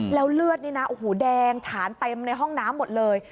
แล้วเลือดนี่นะโอ้โหแดงฉานเต็มในห้องน้ำหมดเลย